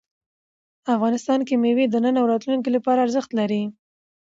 افغانستان کې مېوې د نن او راتلونکي لپاره ارزښت لري.